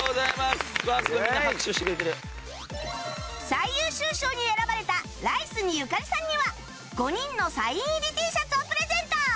最優秀賞に選ばれたライスにゆかりさんには５人のサイン入り Ｔ シャツをプレゼント！